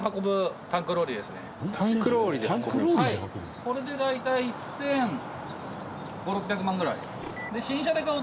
これでだいたい１，５００１，６００万ぐらい。